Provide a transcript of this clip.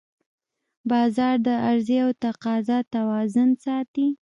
بازار د عرضې او تقاضا توازن ساتي